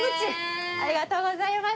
ありがとうございます。